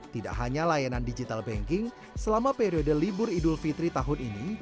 tidak hanya layanan digital banking selama periode libur idul fitri tahun ini